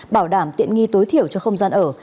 bảo đảm tiện nghi tối thiểu cho không gian ở